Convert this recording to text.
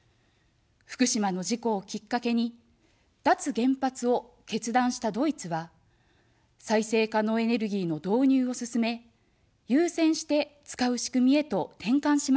福島の事故をきっかけに、脱原発を決断したドイツは、再生可能エネルギーの導入を進め、優先して使う仕組みへと転換しました。